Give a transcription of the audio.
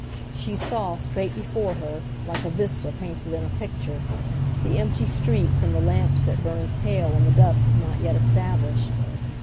She saw, straight before her, like a vista painted in a picture, the empty street and the lamps that burned pale in the dusk not yet established.